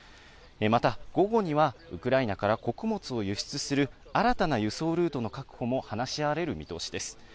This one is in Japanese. また午後にはウクライナから穀物を輸出する新たな輸送ルートの確保も話し合われる見通しです。